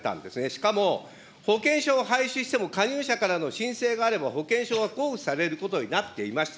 しかも、保険証を廃止しても加入者からの申請があれば、保険証は交付されることになっていました。